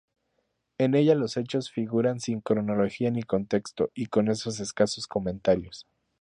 En ella los hechos figuran sin cronología ni contexto y con escasos comentarios.